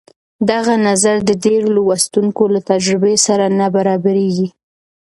دغه نظر د ډېرو لوستونکو له تجربې سره نه برابرېږي.